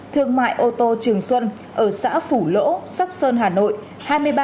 thương mại ô tô trường xuân ở xã phủ lỗ sóc sơn hà nội